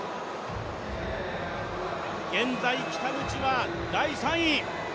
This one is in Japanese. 現在、北口は第３位。